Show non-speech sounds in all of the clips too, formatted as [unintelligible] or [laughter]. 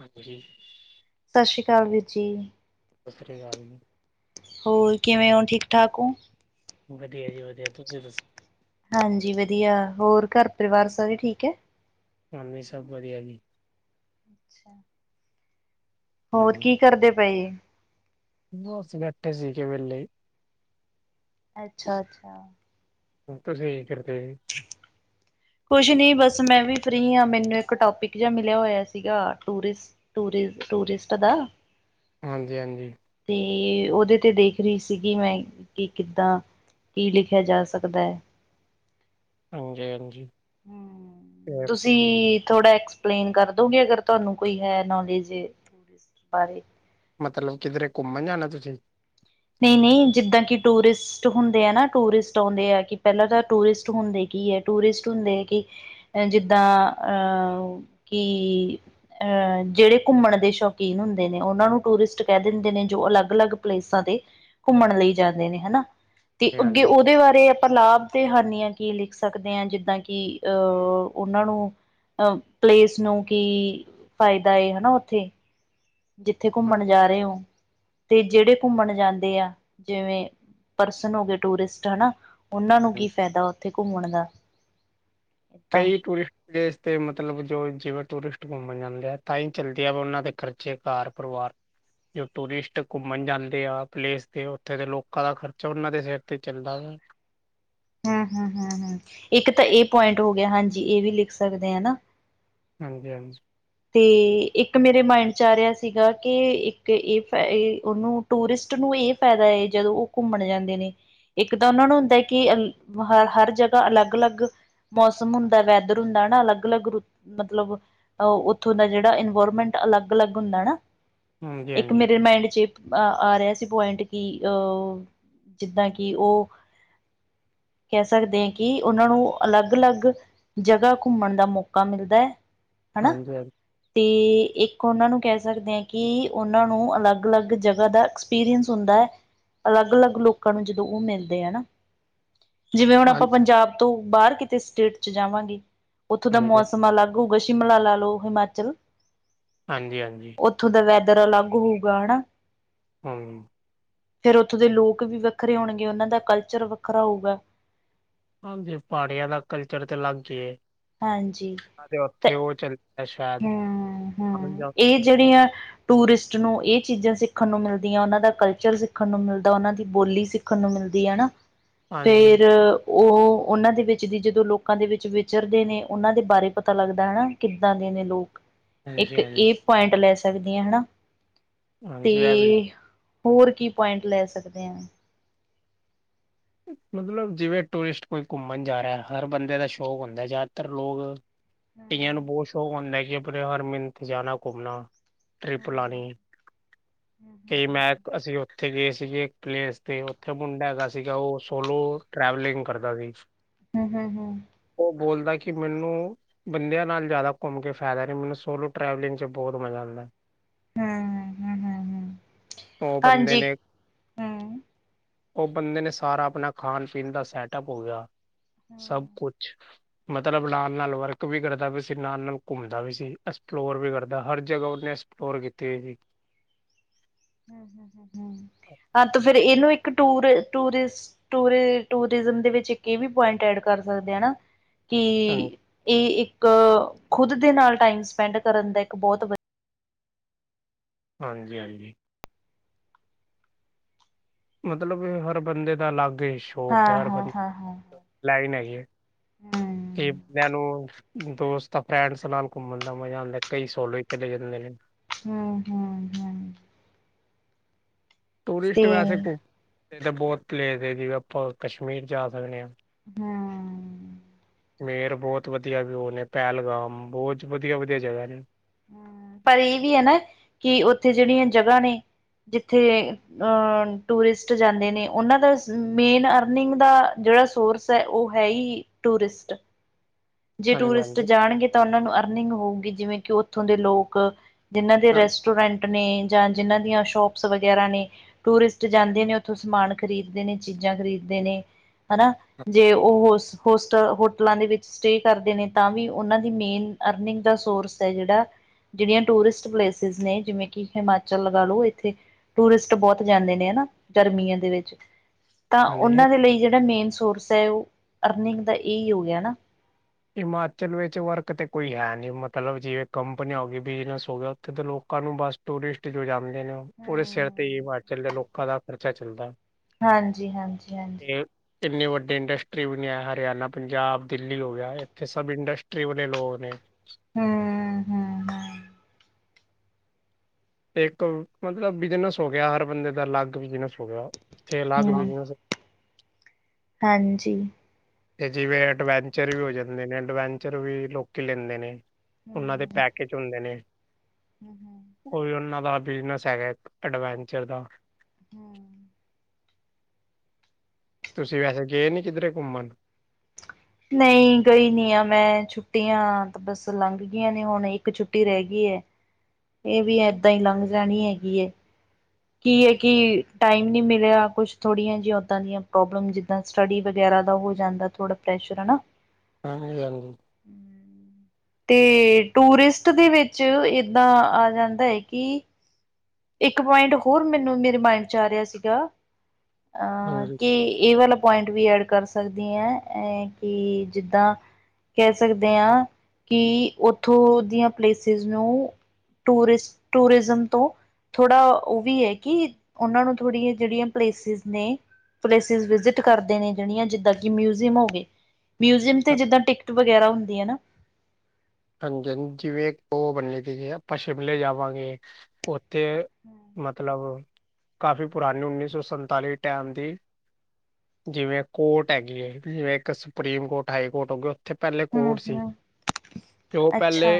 ਹਾਂਜੀ। ਸਤਿ ਸਸ਼੍ਰੀ ਕਾਲ ਵੀਰ ਜੀ। ਸੱਸਰੀ ਕਾਲ ਜੀ। ਹੋਰ ਕਿਵੇਂ ਹੋ ਠੀਕ-ਠਾਕ ਹੋ? ਵਧੀਆ ਜੀ ਵਧੀਆ, ਤੁਸੀਂ ਦੱਸ? ਹਾਂਜੀ ਵਧੀਆ, ਹੋਰ ਘਰ ਪਰਿਵਾਰ ਸਾਰੇ ਠੀਕ ਐ? ਹਾਂਜੀ, ਸਭ ਵਧੀਆ ਜੀ। ਛਾ। ਹੋਰ ਕੀ ਕਰਦੇ ਪਏ ਜੇ ਬੱਸ, ਬੈਠੇ ਸੀਗੇ ਵੇਲੇ ਅੱਛਾ-ਅੱਛਾ। ਤੁਸੀਂ ਕੀ ਕਰਦੇ? ' [unintelligible] ਕੁਛ ਨਹੀਂ ਬੱਸ ਮੈਂ ਵੀ ਫ੍ਰੀ ਆ ਮੈਨੂੰ ਇੱਕ ਟੋਪਿਕ ਜਾ ਮਿਲਿਆ ਹੋਇਆ ਸੀਗਾ ਟੂਰਿਸ ਟੂਰ ਟੂਰਿਸਟ ਦਾ ਹਾਂਜੀ-ਹਾਂਜੀ। 'ਤੇ ਉਹਦੇ ਤੇ ਦੇਖ ਰਹੀ ਸੀਗੀ ਮੈਂ ਕੀ ਕਿੱਦਾਂ ਕੀ ਲਿਖਿਆ ਜਾ ਸਕਦਾ ਹੈ। ਹਾਂਜੀ-ਹਾਂਜੀ। ਹਮ ' [inaudible] ' ਤੁਸੀਂ ਤੁਸੀਂ ਥੋੜਾ ਐਕਸਪਲੇਨ ਕਰਦੋਗੇ ਅਗਰ ਤੁਹਾਨੂੰ ਕੋਈ ਹੈ ਨੌਲੇਜ ' [inaudible] ' ਬਾਰੇ ਮਤਲਬ ਕਿੱਧਰੇ ਘੁੰਮਣ ਜਾਣਾ ਤੁਸੀਂ? ਨਹੀਂ-ਨਹੀਂ ਜਿੱਦਾਂ ਕਿ ਟੂਰਿਸਟ ਹੁੰਦੇ ਆ ਨਾ, ਟੂਰਿਸਟ ਆਉਂਦੇ ਆ ਕਿ ਪਹਿਲਾਂ ਤਾਂ ਟੂਰਿਸਟ ਹੁੰਦੇ ਕੀ ਹੈ? ਟੂਰਿਸਟ ਹੁੰਦੇ ਆ ਕਿ ਏ ਜਿੱਦਾਂ ਅਹ-ਅਹ ਕਿ ਆਹ ਜਿਹੜੇ ਘੁੰਮਣ ਦੇ ਸ਼ੌਕੀਨ ਹੁੰਦੇ ਨੇ, ਉਹਨਾਂ ਨੂੰ ਟੂਰਿਸਟ ਕਹਿ ਦਿੰਦੇ ਨੇ ਜੋ ਅਲੱਗ-ਅਲੱਗ ਪਲੇਸਾਂ 'ਤੇ ਘੁੰਮਣ ਲਈ ਜਾਂਦੇ ਨੇ ਹਨਾ 'ਤੇ ਅੱਗੇ ਹਾਂਜੀ ਉਹਦੇ ਬਾਰੇ। ਪਰ ਲਾਭ ਤੇ ਹਾਨੀਆਂ ਕੀ ਲਿਖ ਸਕਦੇ ਆਂ। ਜਿੱਦਾਂ ਕਿ ਅਹ ਉਹਨਾਂ ਨੂੰ ਅ ਪਲੇਸ ਨੂੰ ਕੀ ਫਾਇਦਾ ਏ ਹਨਾ ਉਥੇ। ਜਿੱਥੇ ਘੁੰਮਣ ਹਾਂਜੀ ਹਾਂਜੀ, ਜਾ ਰਹੇ ਓ। ਤੇ ਜਿਹੜੇ ਘੁੰਮਣ ਜਾਂਦੇ ਆ। ਜਿਵੇਂ ਪਰਸਨ ਹੋ ਗਏ ਟੂਰਿਸਟ ਹਨਾ। ਉਹਨਾਂ ਨੂੰ ਕੀ ਹਾਂਜੀ। ਫਾਇਦਾ ਉੱਥੇ ਘੁੰਮਣ ਦਾ। ਏਦਾਂ ਕਈ ਟੂਰਿਸ ਜ ਇਸਤੇ ਮਤਲਬ ਜੋ ਜਿਵੇਂ ਟੂਰਿਸਟ ਘੁੰਮਣ ਜਾਂਦੇ ਆ ਤਾਈ ਚਲਦੇ ਆ। ਉਹਨਾਂ ਦੇ ਖਰਚੇ ਘਰ ਪਰਿਵਾਰ ਜੋ ਟੂਰਿਸਟ ਘੁੰਮਣ ਜਾਂਦੇ ਆ। ਪਲੇਸ ਤੇ ਉੱਥੇ ਦੇ ਲੋਕਾਂ ਦਾ ਖਰਚਾ ਉਹਨਾਂ ਦੇ ਸਿਰ ਤੇ ਚੱਲਦਾ ਵਾ। ਹੂੰ -ਹੂੰ -ਹੂੰ- ਹੂੰ ਇੱਕ ਤਾਂ ਇਹ ਪੁਆਇੰਟ ਹੋ ਗਿਆ ਹਾਂਜੀ, ਇਹ ਵੀ ਲਿਖ ਸਕਦੇ ਆ ਨਾ। ਹਾਂਜੀ - ਹਾਂਜੀ। ਤੇ ਇੱਕ ਮੇਰੇ ਮਾਇੰਡ ਚ ਆ ਰਿਹਾ ਸੀਗਾ। ਕਿ ਇੱਕ ਇਹ ਫ ਉਹਨੂੰ ਟੂਰਿਸਟ ਨੂੰ ਇਹ ਫਾਇਦਾ ਏ। ਜਦੋਂ ਉਹ ਘੁੰਮਣ ਜਾਂਦੇ ਨੇ ਇੱਕ ਤਾਂ ਉਹਨਾਂ ਨੂੰ ਹੁੰਦਾ, ਕਿ ਅ ਹ- ਹਰ ਜਗ੍ਹਾ ਅਲੱਗ- ਅਲੱਗ। ਮੌਸਮ ਹੁੰਦਾ, ਵੈਦਰ ਹੁੰਦਾ ਨਾ ਹਨਾ ਅਲੱਗ-ਅਲੱਗ ਰੁੱਤ ਮਤਲਬ ਅ ਉਥੋ ਦਾ ਇਨਵਾਰਮੈਂਟ ਅਲੱਗ -ਅਲੱਗ ਹੁੰਦਾ ਨਾ। ਇੱਕ ਹਾਂਜੀ ਮੇਰੇ ਮਾਇੰਡ ਚ ਅ ਆ ਰਿਹਾ ਸੀ ਪੁਆਇੰਟ ਕੀ ਅਹ ਜਿੱਦਾਂ ਕਿ ਉਹ ਕਹਿ ਸਕਦੇ ਕੀ ਉਹਨਾਂ ਨੂੰ ਅਲੱਗ- ਅਲੱਗ ਜਗ੍ਹਾ ਘੁੰਮਣ ਦਾ ਮੌਕਾ ਮਿਲਦਾ। ਹਨਾ ਹਾਂਜੀ- ਹਾਂਜੀ। ਤੇ ਇੱਕ ਉਹਨਾਂ ਨੂੰ ਕਹਿ ਸਕਦੇ ਆਂ। ਕਿ ਉਹਨਾਂ ਨੂੰ ਅਲੱਗ- ਅਲੱਗ ਜਗ੍ਹਾ ਦਾ ਐਕਸਪੀਰੀਅਨਸ ਹੁੰਦਾ। ਅਲੱਗ- ਅਲੱਗ ਲੋਕਾਂ ਨੂੰ ਜਦੋਂ ਉਹ ਮਿਲਦੇ ਆ ਨਾ। ਜਿਵੇਂ ਹੁਣ ਹਾਂਜੀ ਆਪਾਂ ਪੰਜਾਬ ਤੋਂ ਬਾਹਰ ਕਿਤੇ ਸਟੇਟ ਚ ਜਾਵਾਂਗੇ। ਉੱਥੋਂ ਦਾ ਹਾਂਜੀ, ਮੌਸਮ ਅਲੱਗ ਗੂਗਲ ਸ਼ਿਮਲਾ ਲਾ ਲਓ ਹਿਮਾਚਲ। ਹਾਂਜੀ- ਹਾਂਜੀ। ਉੱਥੋਂ ਦਾ ਵੈਦਰ ਅਲੱਗ ਹੋਊਗਾ ਹਨਾ। ਹੂੰ। ਫਿਰ ਉੱਥੋਂ ਦੇ ਲੋਕ ਵੀ ਵੱਖਰੇ ਹੋਣਗੇ। ਉਹਨਾਂ ਦਾ ਕਲਚਰ ਵੱਖਰਾ ਹੋਊਗਾ। ਹਾਂਜੀ, ਪਹਾੜੀਆਂ ਦਾ ਕਲਚਰ ਤੇ ਅਲੱਗ ਈ ਏ। ਹਾਂਜੀ। ਹਾਂ ਤੇ ਉੱਥੇ ਉਹ ਚੱਲਿਆ ਸ਼ਾਇਦ [inaudible] ਹੂੰ ਹੂੰ ਇਹ ਜਿਹੜੀਆਂ। ਟੂਰ ਐਸਟ ਨੂੰ ਇਹ ਚੀਜ਼ਾਂ ਸਿੱਖਣ ਨੂੰ ਮਿਲਦੀਆਂ। ਉਹਨਾਂ ਦਾ ਕਲਚਰ ਸਿੱਖਣ ਨੂੰ ਮਿਲਦਾ ਉਹਨਾਂ ਦੀ ਬੋਲੀ ਸਿਖਣ। ਦੇਖਣ ਨੂੰ ਮਿਲਦੀ ਹਨਾ, ਹਾਂਜੀ-ਹਾਂਜੀ, ਫੇਰ ਉਹ ਉਹਨਾਂ ਦੇ ਵਿੱਚ ਦੀ ਜਦੋਂ ਲੋਕਾਂ ਦੇ ਵਿੱਚ ਵਿਚਰਦੇ ਨੇ ਉਹਨਾਂ ਦੇ ਬਾਰੇ ਪਤਾ ਲੱਗਦਾ ਹਨਾ ਕਿੱਦਾਂ ਦੇ ਨੇ। ਲੋਕ ਹਾਂਜੀ ਇੱਕ ਹਾਂਜੀ ਇਹ ਪੁਆਇੰਟ ਲੈ ਸਕਦੇ ਆ ਹਨਾ। ਤੇ ਹਾਂਜੀ ਇਹ ਵੀ ਹੋਰ ਕੀ ਪੁਆਇੰਟ ਲੈ ਸਕਦੇ ਆਂ। ਮਤਲਬ ਜਿਵੇਂ ਟੂਰਿਸਟ ਕੋਈ ਘੁੰਮਣ ਜਾ ਰਿਹਾ। ਹਰ ਬੰਦੇ ਦਾ ਸ਼ੌਕ ਹੁੰਦਾ ਜ਼ਿਆਦਾਤਰ ਲੋਕ ਕਈਆਂ ਨੂੰ ਬਹੁਤ ਸ਼ੌਕ ਹੁੰਂਦਾ ਕਿ ਆਪਣੇ ਹਰ ਮਿੰਨਤ ਜਾਣਾ ਘੁੰਮਣਾ। ਟ੍ਰਿਪ ਲਾਉਣੀ, ਕਈ ਮੈਂ ਅਸੀ ਉੱਥੇ। ਉਥੇ ਗਏ ਸੀਗੇ ਇੱਕ ਪਲੇਸ ਤੇ ਉੱਥੇ ਮੁੰਡਾ ਹੈਗਾ ਸੀ। ਉਹ ਸੋਲੋ ਟਰੈਵਲਿੰਗ ਕਰਦਾ ਸੀ। ਹੂੰ -ਹੂੰ -ਹੂੰ ਉਹ ਬੋਲਦਾ ਕਿ ਮੈਨੂੰ ਬੰਦਿਆਂ ਨਾਲ ਜ਼ਿਆਦਾ ਘੁੰਮ ਕੇ ਫਾਇਦਾ ਨੀ, ਮੈਨੂੰ ਸੋਲੋ-ਟਰੈਵਲਿੰਗ 'ਚ' ਬਹੁਤ ਮਜ਼ਾ ਆਂਦਾ। ਹੂੰ ਹੂੰ ਹੂੰ ਹੂੰ [inaudible] ਉਹ ਬੰਦੇ ਹਾਂਜੀ ਨੇ ਹੂੰ ਉਹ ਬੰਦੇ ਨੇ ਸਾਰਾ ਆਪਣਾ ਖਾਣ-ਪੀਣ ਦਾ ਸੈਟਅਪ ਹੋ ਗਿਆ। ਸਭ ਕੁਛ। ਮਤਲਬ, ਨਾਲ-ਨਾਲ ਵਰਕ ਵੀ ਕਰਦਾ ਪਿਆ ਵੀ ਸੀ, ਨਾਲ-ਨਾਲ ਘੁੰਮਦਾ ਵੀ ਸੀ, ਐਕਸਪਲੋਰ ਵੀ ਕਰਦਾ। ਹਰ ਜਗ੍ਹਾ ਉਹਨੇ ਔਰ ਕਿੱਥੇ ਇਹ ਸੀ। ਹਾਂ, ਤੋਂ ਫਿਰ ਇਹਨੂੰ ਇੱਕ ਟੂਰ-ਟੂਰਿਸ ਟੂਰ-ਟੂਰਿਜ਼ਮ ਦੇ ਵਿੱਚ ਇੱਕ ਇਹ ਵੀ ਪੁਆਇੰਟ ਐਡ ਕਰ ਸਕਦੇ ਆ ਨਾ। ਕਿ ਹਾਂ- ਇਹ ਇੱਕ ਖੁਦ ਦੇ ਨਾਲ ਟਾਈਮ ਵੇਲੇ ਵਾਲੀ ਸਪੈਂਡ ਕਰਨ ਦਾ ਇੱਕ ਬਹੁਤ ਵਧੀ ਹਾਂਜੀ-ਹਾਂਜੀ। ਮਤਲਬ, ਹਰ ਬੰਦੇ ਦਾ ਅਲੱਗ ਇਸ਼ੂ। ਹੋ ਹਾਂ ਪਿਆਰ ਹਾਂ ਭਰੀ ਹਾਂ ਹਾਂ ਲਾਈਨ ਹੈਗੀ ਏ। ਕਈ ਹੂੰ ਬੰਦਿਆਂ ਨੂੰ ਦੋਸਤ-ਫਰੈਂਡਸ ਨਾਲ ਘੁੰਮਣ ਦਾ ਮਜ਼ਾ ਆਉਂਦਾ, ਕਈ ਸੋਲੇਜ ਚਲੇ ਜਾਂਦੇ ਨੇ। ਹਮ-ਹਮ-ਹਮ। ਟੂਰਿਸਟ ਤੇ ਵੈਸੇ [inaudible] ਬਹੁਤ ਪਲੇਸ ਐ ਜਿਵੇਂ, ਆਪਾਂ ਕਸ਼ਮੀਰ ਜਾ ਸਕਦੇ ਆ। ਹਮ ਮੇਰ ਬਹੁਤ ਵਧੀਆ ਵਿਊ ਨੇ ਪਹਿਲਗਾਮ ਬਹੁਤ ਵਧੀਆ-ਵਧੀਆ ਜਗ੍ਹਾ ਨੇ। ਪਰ ਇਹ ਵੀ ਆ ਨਾ ਕਿ ਉੱਥੇ ਜਿਹੜੀਆਂ ਜਗ੍ਹਾ ਨੇ ਜਿੱਥੇ ਅ ਟੂਰਿਸਟ ਜਾਂਦੇ ਨੇ ਉਹਨਾਂ ਦਾ ਮੇਨ ਅਰਨਿੰਗ ਦਾ ਜਿਹੜਾ ਸੋਰਸ ਉਹ ਹੈ ਈ ਟੂਰਿਸਟ। ਜੇ ਹਾਂਜੀ ਟੂਰਿਸਟ ਹਾਂਜੀ ਜਾਣਗੇ ਤਾਂ ਉਹਨਾਂ ਨੂੰ ਅਰਨਿੰਗ ਹੋਊਗੀ ਜਿਵੇਂ, ਕਿ ਉੱਥੋਂ ਦੇ ਲੋਕ ਜਿੰਨਾਂ ਦੇ ਰੈਸ ਰੈਸਟੋਰੈਂਟ ਨੇ ਜਾਂ ਜਿਨ੍ਹਾਂ ਦੀਆਂ ਸ਼ੋਪਸ ਵਗੈਰਾ ਨੇ ਟੂਰਿਸਟ ਜਾਣਦੇ ਨੇ ਉਥੋਂ ਸਮਾਨ ਖਰੀਦ ਦੇ ਨੇ ਚੀਜ਼ਾਂ ਖਰੀਦਦੇ ਨੇ। ਹਨਾ, ਜੇ ਓਹੋ ਸਪੋਟਰ ਹੋਟਲਾਂ ਦੇ ਵਿੱਚ ਸਟੇ ਕਰਦੇ ਨੇ ਤਾਂ ਵੀ ਉਹਨਾਂ ਦੀ ਮੇਨ-ਅਰਨਿੰਗ ਦਾ ਸੋਰਸ ਐ ਜਿਹੜਾ ਜਿਹੜੀਆਂ ਟੂਰਿਸਟ ਪਲੇਸਿਸ ਨੇ ਜਿਵੇਂ, ਕਿ ਹਿਮਾਚਲ ਲਗਾ ਲੋ ਇੱਥੇ ਟੂਰਿਸਟ ਬਹੁਤ ਜਾਂਦੇ ਨੇ ਹਨਾ ਗਰਮੀਆਂ ਦੇ ਵਿੱਚ ਤਾਂ ਹਾਂਜੀ ਉਹਨਾਂ ਦੇ ਲਈ ਜਿਹੜਾ ਮੇਨ ਸੋਰਸ ਐ ਉਹ ਅਰਨਿੰਗ ਦਾ ਇਹੀ ਹੋ ਗਿਆ ਨਾ। ਹਿਮਾਚਲ ਵਿੱਚ ਵਰਕ ਤੇ ਕੋਈ ਹੈ ਨੀ ਮਤਲਬ ਜਿਵੇਂ, ਕੰਪਨੀਆਂ ਹੋ ਗਈਆਂ, ਬਿਜਨਸ ਹੋ ਗਿਆ, ਉੱਥੇ ਤੇ ਲੋਕਾਂ ਨੂੰ ਬਸ ਟੂਰਿਸਟ ਜੋ ਜਾਂਦੇ ਨੇ ਉਹਦੇ ਸਿਰ ਹੀ ਹਮ ਹਿਮਾਚਲ ਲੋਕਾਂ ਦਾ ਖਰਚਾ ਚੱਲਦਾ। ਹਾਂਜੀ-ਹਾਂਜੀ-ਹਾਂਜੀ। ਇਹ ਇੰਨੇ ਵੱਡੇ ਇੰਡਸਟਰੀ ਬਣਿਆ ਹਰਿਆਣਾ, ਪੰਜਾਬ, ਦਿੱਲੀ, ਹੋ ਗਿਆ ਏ। ਇੱਥੇ ਸਭ ਇੰਡਸਟਰੀ ਵਾਲੇ ਲੋਕ ਨੇ ਹੂੰ-ਹੂੰ-ਹੂੰ। ਇੱਕ ਮਤਲਬ, ਬਿਜਨਸ ਹੋ ਗਿਆ ਹਰ ਬੰਦੇ ਦਾ ਅਲੱਗ ਬਿਜਨਸ ਹੋ ਗਿਆ, ਇੱਥੇ ਅਲੱਗ ਹੂੰ ਬਿਜਨਸ ਹਾਂਜੀ। ਤੇ ਜਿਵੇਂ, ਅਡਵੈਂਚਰ ਵੀ ਹੋ ਜਾਂਦੇ ਨੇ ਅਡਵੈਂਚਰ ਵੀ ਲੋਕੀ ਲੈਂਦੇ ਨੇ। ਉਹਨਾਂ ਦੇ ਹੂੰ ਪੈਕੇਜ ਹੁੰਦੇ ਨੇ। ਉਹੀ ਉਹਨਾਂ ਦਾ ਬਿਜਨਸ ਹੈਗਾ ਇੱਕ ਐਡਵੈਂਚਰ ਦਾ ਹੂੰ ਤੁਸੀਂ ਵੈਸੇ ਗਏ ਨੀ ਕਿੱਧਰੇ ਘੁੰਮਣ? ਨਹੀਂ ਗਈ ਨੀ ਆ ਮੈਂ ਛੁੱਟੀਆਂ ਤਾਂ ਬਸ ਲੰਘ ਗਈਆਂ ਨੇ ਹੁਣ ਇੱਕ ਛੁੱਟੀ ਐ। ਇਹ ਵੀ ਏਦਾਂ ਈ ਲੰਘ ਜਾਣੀ ਹੈਗੀ ਏ। ਕੀ ਐ ਕਿ ਟਾਈਮ ਨੀ ਮਿਲਿਆ ਕੁਛ ਥੋੜੀਆਂ ਜੀਆ ਉੱਦਾਂ ਦੀਆਂ ਪ੍ਰੋਬਲਮ ਜਿੱਦਾਂ ਸਟੱਡੀ ਵਗੈਰਾ ਦਾ ਹੋ ਜਾਂਦਾ ਆ ਥੋੜਾ ਪ੍ਰੈਸ਼ਰ ਹਨਾ। ਹਾਂਜੀ-ਹਾਂਜੀ ਤੇ ਟੂਰਿਸਟ ਦੇ ਵਿੱਚ ਇੱਦਾਂ ਆ ਜਾਂਦਾ ਐ ਕਿ ਇੱਕ ਪੁਆਇੰਟ ਹੋਰ ਮੈਨੂੰ ਮੇਰੇ ਮਾਇੰਡ 'ਚ ਆ ਰਿਹਾ ਸੀਗਾ। ਅਹ ਹਾਂਜੀ ਕਿ ਇਹ ਵਾਲਾ ਪੁਆਇੰਟ ਵੀ ਐਡ ਕਰ ਸਕਦੀ ਐ। ਐਹ ਕਿ ਜਿੱਦਾਂ ਕਹਿ ਸਕਦੇ ਆ। ਕਿ ਉੱਥੋਂ ਦੀਆਂ ਪਲੇਸਿਸਜ ਨੂੰ ਟੂਰਿਸ ਟੂਰਿਜ਼ਮ ਤੋਂ ਥੋੜ੍ਹਾ ਉਹ ਹੀ ਐ ਕਿ ਉਹਨਾਂ ਨੂੰ ਥੋੜੀਆਂ ਜਿਹੜੀਆਂ ਪਲੇਸਿਸ ਨੇ ਪਲੇਸਿਸ ਵਿਜਿਟ ਕਰਦੇ ਨੇ ਜਿਹੜੀਆਂ ਜਿੱਦਾਂ ਕਿ ਮਿਊਜ਼ਅਮ ਹੋ ਗਏ। ਮਿਊਜ਼ੀਅਮ ਤੇ ਹਾਂ- ਜਿੱਦਾਂ ਟਿਕਟ ਵਗੈਰਾ ਹੁੰਦੀ ਆ। ਨਾ ਹਾਂਜੀ ਹਾਂਜੀ ਜਿਵੇਂ ਉਹ ਬੰਦੇ ਆਪਾਂ ਸ਼ਿਮਲੇ ਜਾਵਾਂਗੇ ਉੱਥੇ ਹੂ [inaudible] ਮਤਲਬ ਕਾਫ਼ੀ ਪੁਰਾਣੀ ਉੱਨੀ ਸੌ ਸਨਤਾਲ਼ੀ ਦੇ ਟੈਮ ਦੀ ਜਿਵੇਂ ਕੋਟ ਹੈਗੀ ਏ ਜਿਵੇਂ ਇੱਕ ਸੁਪਰੀਮ ਕੋਟ ਹਾਈ ਕੋਟ ਹੋਗੀ। ਉੱਥੇ ਪਹਿਲੇ ਹਮ ਕੋਟ ਸੀ। ਹਮ ਜੋ ਪਹਿਲੇ ਅੱਛਾ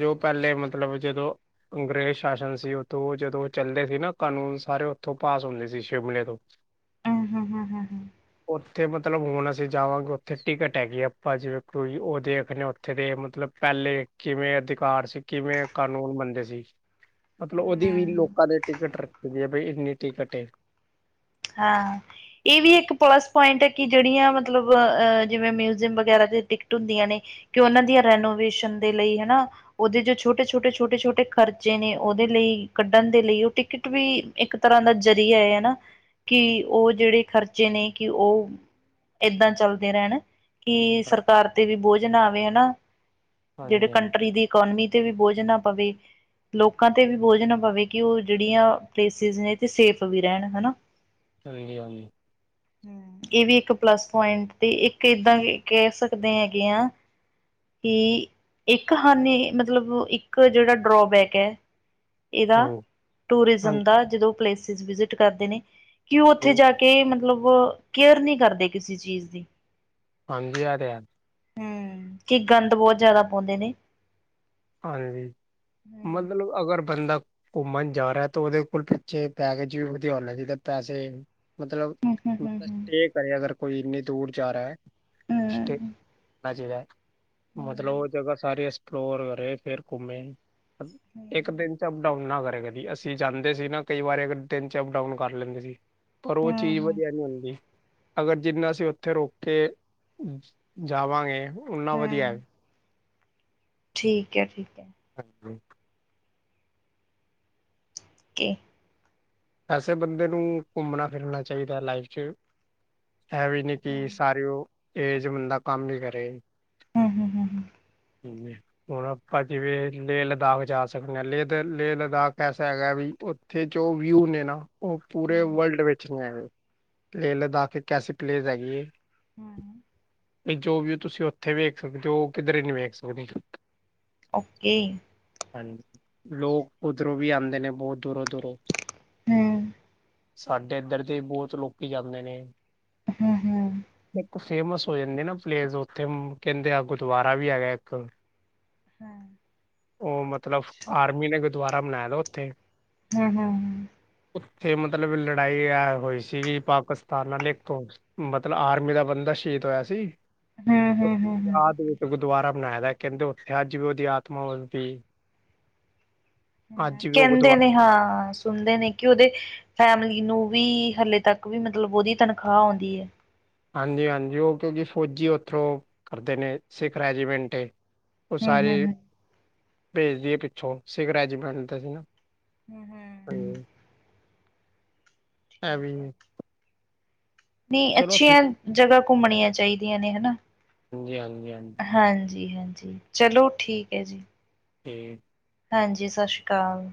ਜੋ ਪਹਿਲੇ ਮਤਲਬ ਜਦੋਂ ਅੰਗਰੇਜ਼ ਸ਼ਾਸਨ ਸੀ। ਉੱਥੋਂ ਜਦੋਂ ਚੱਲਦੇ ਸੀ ਨਾ ਕਾਨੂੰਨ ਸਾਰੇ ਉੱਥੋਂ ਪਾਸ ਹੁੰਦੇ ਸੀ। ਸ਼ਿਮਲੇ ਤੋਂ [unintelligible] ਉੱਥੇ ਮਤਲਬ ਹੁਣ ਅਸੀਂ ਜਾਵਾਂਗੇ ਉੱਥੇ ਟਿਕਟ ਹੈਗੀ ਆ। ਆਪਾਂ ਜਿਵੇਂ ਕੋਈ ਉਹ ਦੇਖਣੇ ਉਥੇ ਦੇ ਮਤਲਬ ਪਹਿਲੇ ਕਿਵੇਂ ਅਧਿਕਾਰ ਸੀ। ਕਿਵੇਂ ਕਾਨੂੰਨ ਬਨਦੇ ਸੀ। ਮਤਲਬ ਹਮ ਉਹਦੀ ਵੀ ਹਮ ਲੋਕਾਂ ਦੇ ਟਿਕਟ ਰੱਖੀ ਦੀ ਐ। ਬਾਈ ਇੰਨੀ ਟਿਕਟ ਏ। ਹਾਂ ਇਹ ਵੀ ਇੱਕ ਪਲੱਸ ਪੁਆਇੰਟ ਆ। ਕਿ ਜਿਹੜੀਆਂ ਮਤਲਬ ਅਹ ਜਿਵੇਂ ਮਿਊਜ਼ੀਅਮ ਵਗੈਰਾ ਦੀ ਟਿਕਟ ਹੁੰਦੀਆਂ ਨੇ ਕਿ ਉਹਨਾਂ ਦੀਆਂ ਰੈਨੋਵੇਸ਼ਨ ਦੇ ਲਈ ਹਨਾ। ਉਹਦੇ ਜੋ ਛੋਟੇ- ਛੋਟੇ ਛੋਟੇ- ਛੋਟੇ ਖ਼ਰਚੇ ਨੇ ਉਹਦੇ ਲਈ ਕੱਢਣ ਦੇ ਲਈ ਉਹ ਟਿਕਟ ਵੀ ਇੱਕ ਤਰ੍ਹਾਂ ਦਾ ਜ਼ਰੀਆ ਏ ਨਾ। ਕਿ ਉਹ ਜਿਹੜੇ ਖ਼ਰਚੇ ਨੇ। ਕਿ ਉਹ ਏਦਾਂ ਚੱਲਦੇ ਰਹਿਣ ਕੀ ਸਰਕਾਰ ਤੇ ਵੀ ਬੋਝ ਨਾ ਆਵੇ ਹਨਾ। ਜਿਹੜੇ ਹਾਂਜੀ ਹਾਂਜੀ ਕੰਟਰੀ ਦੀ ਇਕੋਨਮੀ ਤੇ ਵੀ ਬੋਝ ਨਾ ਪਵੇ। ਲੋਕਾਂ ਤੇ ਵੀ ਬੋਝ ਨਾ ਪਵੇ। ਕਿ ਉਹ ਜਿਹੜੀਆਂ ਪਲੇਸਿਸ ਨੇ ਤੇ ਸੇਫ ਵੀ ਰਹਿਣ ਹਨਾ। ਹਾਂਜੀ ਹਾਂਜੀ ਹੂੰ ਇਹ ਵੀ ਇੱਕ ਪਲੱਸ ਪੁਆਇੰਟ ਤੇ ਇੱਕ ਏਦਾਂ ਵੀ ਕਹਿ ਸਕਦੇ ਹੈਗੇ ਆ ਕੀੁ ਇੱਕ ਹਾਨੀ ਮਤਲਬ ਇੱਕ ਜਿਹੜਾ ਡਰੋਬੈਕ ਐ ਇਹਦਾ ਦਾ ਟੂਰੀਜ਼ਮ ਹਾਂਜੀ ਦਾ ਜਦੋਂ ਪਲੇਸਿਸ ਵਿਜ਼ਿਟ ਕਰਦੇ ਨੇ ਕਿ ਉਹ ਉੱਥੇ ਹਾਂਜੀ ਜਾ ਕੇ ਮਤਲਬ ਕੇਅਰ ਨਹੀਂ ਕਰਦੇ ਕਿਸੇ ਚੀਜ਼ ਦੀ। ਹਾਂਜੀ ਐ ਤੇ ਹੈ। ਹੂੰ ਕੀ ਗੰਦ ਬਹੁਤ ਜ਼ਿਆਦਾ ਪਾਉਂਦੇ ਨੇ‌। ਹਾਂਜੀ ਮਤਲਬ ਹੂੰ ਅਗਰ ਬੰਦਾ ਘੁੰਮਣ ਜਾ ਰਿਹਾ ਤਾਂ ਉਹਦੇ ਕੋਲ਼ ਪਿੱਛੇ ਪੈਕੇਜ ਵੀ ਵਧੀਆਂ ਹੋਣਾ ਚਾਹੀਦਾ। ਪੈਸੇ ਮਤਲਬ ਹੂੰ [unintelligible] ਹੂੰ ਹੂੰ ਕਰੇ ਅਗਰ ਕੋਈ ਇੰਨੀ ਦੂਰ ਜਾ ਰਿਹਾ ਐ। ਹੂੰ [unintelligible] ਹੂੰ ਮਤਲਬ ਉਹ ਜਗ੍ਹਾ ਸਾਰੇ ਐਕਸਪਲੋਰ ਫੇਰ-ਫ਼ੇਰ ਘੁੰਮੇ ਹੂੰ ਇੱਕ ਦਿਨ 'ਚ ਅੱਪ ਡਾਊਨ ਨਾ ਕਰੇ ਕਦੀਂ ਅਸੀਂ ਅਸੀਂ ਜਾਂਦੇ ਸੀ ਨਾ ਕਈ ਵਾਰੀ ਅ ਦਿਨ ਚ ਅੱਪ ਡਾਊਨ ਕਰ ਲੈਂਦੇ ਸੀ। ਪਰ ਉਹ ਹੂੰ ਚੀਜ਼ ਹੂੰ ਵਧੀਆਂ ਨੀਂ ਹੁੰਦੀ। ਅਗਰ ਜਿੰਨਾ ਅਸੀਂ ਉੱਥੇ ਰੁਕ ਕੇ ਜਾਵਾਂਗੇ ਉਨਾਂ ਵਧੀਆਂ ਹੂੰ ਐ। ਠੀਕ ਐ ਠੀਕ ਐ। ਹਾਂਜੀ ਕੇ ਐਸੇ ਬੰਦੇ ਨੂੰ ਘੁੰਮਣਾ ਫ਼ਿਰਨਾ ਚਾਹੀਦਾ ਲਾਈਫ ਚ ਏ ਵੀ ਨੀ ਕਿ ਹੂੰ ਸਾਰੀਓ ਏਜ ਬੰਦਾ ਕੰਮ ਈ ਕਰੇ ਹਮ -ਹਮ ਹੂੰ -ਹੂੰ ਘੁੰਮੇ ਹੁਣ ਆਪਾਂ ਜਿਵੇਂ ਲੇਹ ਲਦਾਖ਼ ਜਾ ਸਕਦੇ ਹਾਂ। ਲੇਹ ਲਦਾਖ਼ ਐਸਾ ਹੈਗਾ ਵੀ ਉੱਥੇ ਜੋ ਵਿਊ ਨੇ ਨਾ ਉਹ ਪੂਰੇ ਹੂੰ ਵਰਲਡ ਵਿੱਚ ਨ੍ਹੀਂ ਹੈਗੇ ਤੇ ਲਦਾਖ਼ ਇੱਕ ਐਸੀ ਪਲੇਸ ਹੈਗੀ ਏ ਹਮ ਜੋ ਵੀ ਤੁਸੀਂ ਉੱਥੇ ਵੇਖ ਸਕਦੇ ਹੋ, ਉਹ ਕਿਧਰੇ ਨ੍ਹੀਂ ਵੇਖ ਸਕਦੇ। ਓਕੇ। ਹਾਂਜੀ ਲੋਕ ਉੱਧਰੋਂ ਵੀ ਆਂਦੇ ਨੇ ਬਹੁਤ ਦੂਰੋਂ- ਦੂਰੋਂ ਸਾਡੇ ਇੱਧਰ ਤੇ ਬਹੁਤ ਲੋਕੀ ਜਾਂਦੇ ਨੇ। ਹਮ -ਹਮ। ਇੱਕ ਫੇਮਸ ਹੋ ਜਾਂਦੀ ਨਾ ਪਲੇਸ, ਉੱਥੇ ਕਹਿੰਦੇ ਆ ਗੁਰਦੁਆਰਾ ਵੀ ਹੈਗਾ ਇੱਕ। ਹਾਂ [inaudible] ਉਹ ਮਤਲਬ ਆਰਮੀ ਨੇ ਗੁਰਦੁਆਰਾ ਬਣਾਇਆ ਨਾ ਉੱਥੇ। ਹਮ -ਹਮ ਹ ਉੱਥੇ ਮਤਲਬ ਲੜਾਈ ਹੋਈ ਸੀਗੀ ਪਾਕਿਸਤਾਨ ਨਾਲੇ ਇੱਕਥੋਂ ਮਤਲਬ ਆਰਮੀ ਦਾ ਬੰਦਾ ਸ਼ਹੀਦ ਹੋਇਆ ਸੀ। ਯਾਦ ਵਿੱਚ ਗੁਰਦੁਆਰਾ ਬਣਾਇਆ ਵਾਂ ਕਹਿੰਦੇ ਉੱਥੇ ਅੱਜ ਵੀ ਉਹਦੀ ਆਤਮਾ ਉਸਦੀ ਉਹ ਕਹਿੰਦੇ ਗੁਰਦੁਆਰਾ ਨੇ ਹਾਂ, ਸੁਣਦੇ ਨੇ। ਕਿ ਉਹਦੀ ਫੈਮਲੀ ਨੂੰ ਵੀ ਹਲੇ ਤੱਕ ਵੀ ਮਤਲਬ ਉਹਦੀ ਤਨਖਾਹ ਆਉਂਦੀ ਹੈ। ਹਾਂਜੀ - ਹਾਂਜੀ ਉਹ ਕਿਉਂਕਿ ਫੌਜੀ ਉੱਥੋਂ ਕਰਦੇ ਨੇ ਸਿੱਖ ਰੈਜੀਮੈਂਟ ਦੇ। ਉਹ ਸਾਰੇ [inaudible] ਭੇਜਦੀ ਪਿੱਛੋਂ ਸਿੱਖ ਰੈਜੀਮੈਂਟ ਦੇ ਸੀ ਨਾ। ਹਮ -ਹਮ। [unintelligible] ਹੈ ਵੀ ਨਹੀਂ ਚਲੋ ਠੀਕ ਅੱਛੀਆਂ ਜਗ੍ਹਾ ਘੁੰਮਣੀਆਂ ਚਾਹੀਦੀਆਂ ਨੇ ਹਨਾ। ਹਾਂਜੀ-ਹਾਂਜੀ। ਹਾਂਜੀ -ਹਾਂਜੀ, ਚਲੋ ਠੀਕ ਹੈ ਜੀ। ਅਤੇ [unintelligible] ਹਾਂਜੀ, ਸਤਿ ਸ਼੍ਰੀ ਅਕਾਲ।